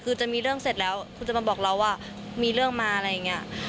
คือจะมีเรื่องเสร็จแล้วคุณจะมาบอกเราว่ามีเรื่องมาอะไรอย่างนี้